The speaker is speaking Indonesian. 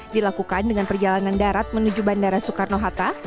dilakukan dengan perjalanan darat menuju bandara soekarno hatta